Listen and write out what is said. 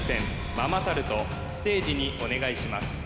ママタルトステージにお願いします